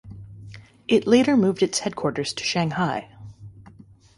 It later moved its headquarters to Shanghai.